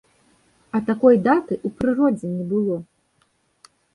А такой даты ў прыродзе не было!